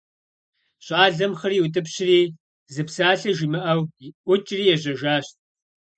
Щӏалэм хъыр иутӏыпщри, зы псалъэ жимыӏэу, ӏукӏри ежьэжащ.